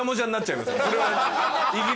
それは。